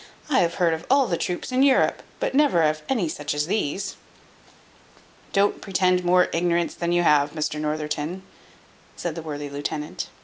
I have heard of all the troops in Europe, but never of any such as these." "Don't pretend to more ignorance than you have, Mr Northerton," said the worthy lieutenant.